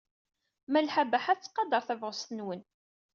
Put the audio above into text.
Malḥa Baḥa tettqadar tabɣest-nwen.